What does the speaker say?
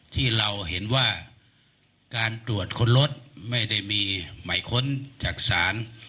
ที่เราเห็นว่าการตรวจค้นรถไม่ได้มีหมายค้นจากศาล